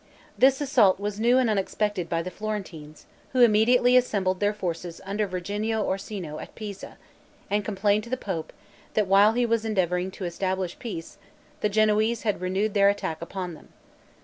This assault was new and unexpected by the Florentines, who immediately assembled their forces under Virginio Orsino, at Pisa, and complained to the pope, that while he was endeavoring to establish peace, the Genoese had renewed their attack upon them.